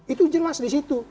itu jelas di situ